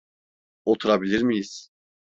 Oturabilir miyiz?